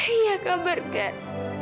iya kak burger